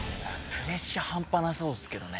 プレッシャー半端なさそうですけどね。